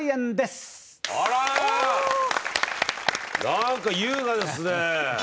なんか優雅ですね。